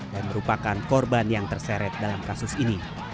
dan merupakan korban yang terseret dalam kasus ini